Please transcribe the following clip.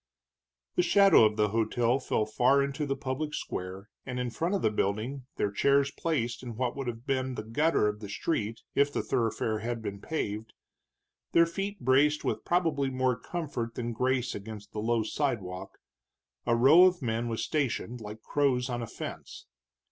The shadow of the hotel fell far into the public square, and in front of the building, their chairs placed in what would have been the gutter of the street if the thoroughfare had been paved, their feet braced with probably more comfort than grace against the low sidewalk, a row of men was stationed, like crows on a fence.